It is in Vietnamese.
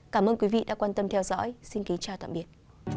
cảm ơn quý vị đã quan tâm theo dõi xin kính chào tạm biệt